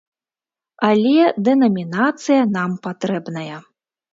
Але дэнамінацыя нам патрэбная.